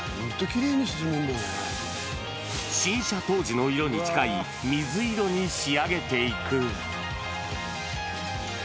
新車当時の色に近い水色に仕上げていく。